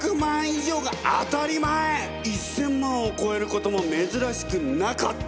１，０００万を超えることも珍しくなかった！